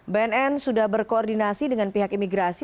bnn sudah berkoordinasi dengan pihak imigrasi